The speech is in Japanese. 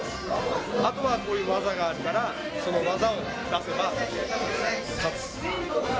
あとはこういう技があるから、その技を出せば勝つ。